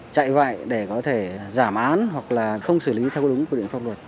chạy gọi để có thể giảm án hoặc là không xử lý theo đúng quy định pháp luật